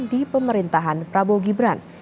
di pemerintahan prabowo gibran